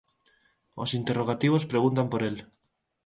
Os interrogativos preguntan por el.